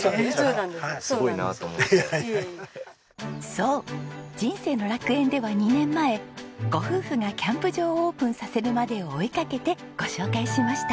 そう『人生の楽園』では２年前ご夫婦がキャンプ場をオープンさせるまでを追いかけてご紹介しました。